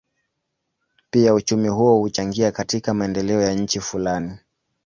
Pia uchumi huo huchangia katika maendeleo ya nchi fulani.